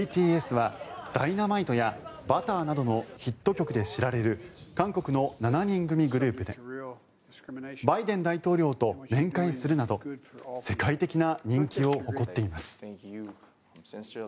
ＢＴＳは「Ｄｙｎａｍｉｔｅ」や「Ｂｕｔｔｅｒ」などのヒット曲で知られる韓国の７人組グループでバイデン大統領と面会するなど世界的な人気を誇っています。